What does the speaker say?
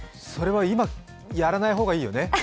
それは今やらない方がいいよね？